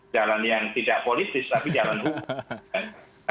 jalan yang tidak politis tapi jalan hukum